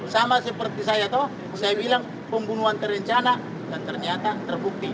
sama seperti saya tahu saya bilang pembunuhan terencana dan ternyata terbukti